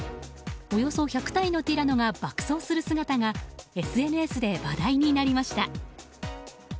およそ１００体のティラノが爆走する姿がＳＮＳで話題になりました。